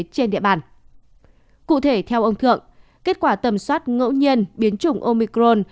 cụ thể theo ông thượng kết quả tầm soát ngẫu nhiên biến chủng omicron